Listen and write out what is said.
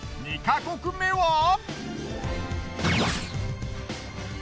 ２ヵ国目は。